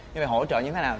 nhưng mà hỗ trợ như thế nào